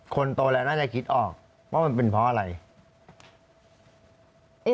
คนโตแล้วน่าจะคิดออกว่ามันเป็นเพราะอะไร